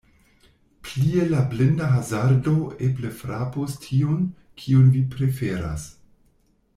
Plie la blinda hazardo eble frapus tiun, kiun vi preferas.